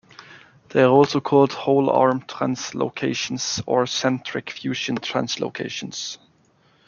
They are also called whole-arm translocations or centric-fusion translocations.